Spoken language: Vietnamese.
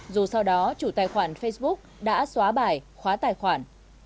dù sau đó chủ tài khoản facebook đã xóa bài khóa tài khoản